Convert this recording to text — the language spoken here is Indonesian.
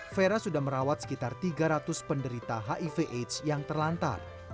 vera sudah merawat sekitar tiga ratus penderita hiv aids yang terlantar